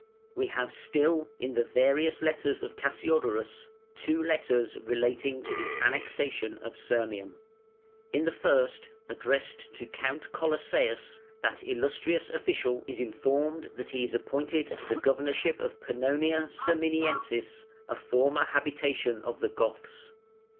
We have still (in the "Various Letters" of Cassiodorus) two letters relating to this annexation of Sirmium. In the first, addressed to Count Colossæus, that "Illustrious" official is informed that he is appointed to the governorship of Pannonia Sirmiensis, a former habitation of the Goths.